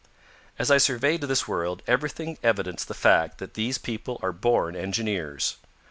As I surveyed this world, everything evidenced the fact that these people are born engineers.